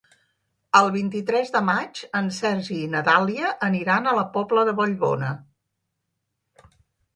El vint-i-tres de maig en Sergi i na Dàlia aniran a la Pobla de Vallbona.